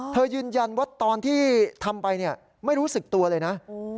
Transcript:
ยืนยันว่าตอนที่ทำไปไม่รู้สึกตัวเลยนะ